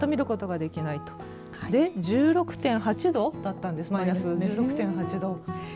で、１６．８度だったんですねマイナス。